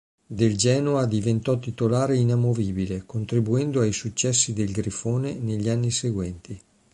Del Genoa diventò titolare inamovibile, contribuendo ai successi del Grifone negli anni seguenti.